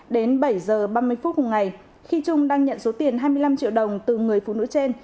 đến bảy h ba mươi phút cùng ngày khi trung đang nhận số tiền hai mươi năm triệu đồng từ người phụ nữ trên